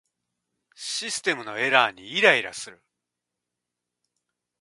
システムのエラーにイライラする